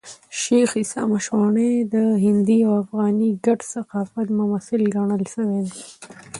شېخ عیسي مشواڼي د هندي او افغاني ګډ ثقافت ممثل ګڼل سوى دئ.